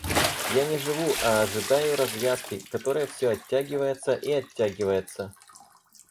Я не живу, а ожидаю развязки, которая все оттягивается и оттягивается.